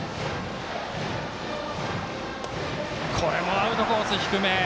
アウトコース、低め。